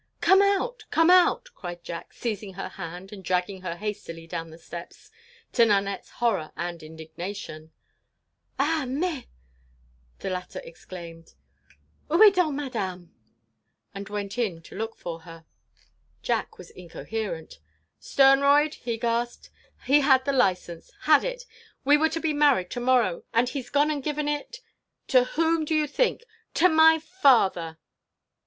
"Come out! Come out!" cried Jack, seizing her hand and dragging her hastily down the steps, to Nanette's horror and indignation. "Ah, mais!" the latter exclaimed, "Oú est donc Madame?" and went in to look for her. Jack was incoherent. "Sternroyd!" he gasped. "He had the licence! Had it! We were to be married to morrow! And he 's gone and given it—to whom do you think?—to my father!"